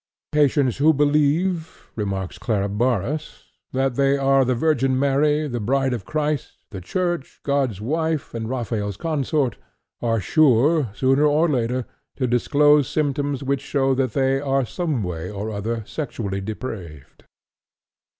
"Patients who believe," remarks Clara Barrus, "that they are the Virgin Mary, the bride of Christ, the Church, 'God's wife,' and 'Raphael's consort,' are sure, sooner or later, to disclose symptoms which show that they are some way or other sexually depraved."